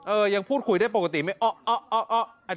เออยังพูดคุยได้ปกติไม่อ๊ะอ๊ะอ๊ะอ๊ะอ๊ะ